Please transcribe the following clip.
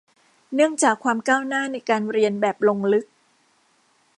เนื่องจากความก้าวหน้าในการเรียนแบบลงลึก